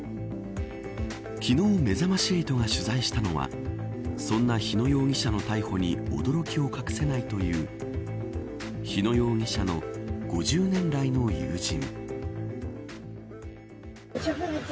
昨日めざまし８が取材したのはそんな日野容疑者の逮捕に驚きを隠せないという日野容疑者の５０年来の友人。